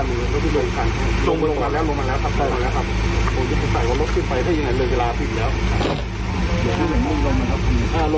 แล้วคุณสามารถดูต่อมาเป็นไง